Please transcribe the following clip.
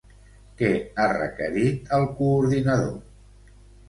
Què ha requerit el coordinador?